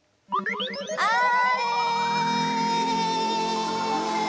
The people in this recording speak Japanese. あれ。